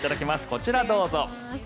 こちら、どうぞ。